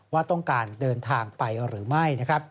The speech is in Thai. ว่าต้องการเดินทางไปหรือไม่